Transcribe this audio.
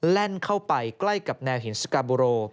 แล่นเข้าไปใกล้กับแนวหินสกาโบโร